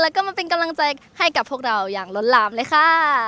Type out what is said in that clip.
แล้วก็มาเป็นกำลังใจให้กับพวกเราอย่างล้นลามเลยค่ะ